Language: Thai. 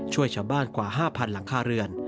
ช่วยชาวบ้านกว่า๕๐๐๐หลังคาเรือน